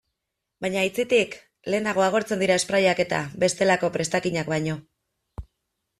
Baina, aitzitik, lehenago agortzen dira sprayak eta bestelako prestakinak baino.